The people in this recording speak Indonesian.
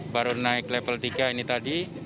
baru naik level tiga ini tadi